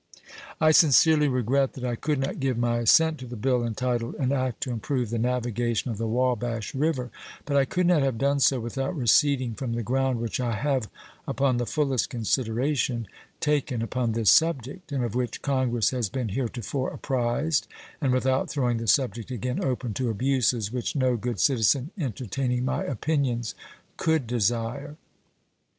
I sincerely regret that I could not give my assent to the bill entitled: "An act to improve the navigation of the Wabash River"; but I could not have done so without receding from the ground which I have, upon the fullest consideration, taken upon this subject, and of which Congress has been heretofore apprised, and without throwing the subject again open to abuses which no good citizen entertaining my opinions could desire.